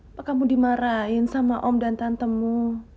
apa kamu dimarahin sama om dan tantemu